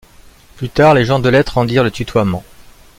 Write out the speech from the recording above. Plus tard, les gens de lettres rendirent le tutoiement.